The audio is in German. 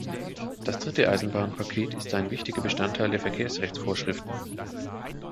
Das dritte Eisenbahnpaket ist ein wichtiger Bestandteil der Verkehrsrechtsvorschriften.